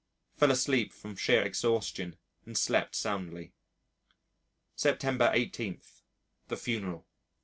Fell asleep from sheer exhaustion and slept soundly. September 18. The funeral.